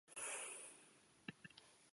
谢谢大家关心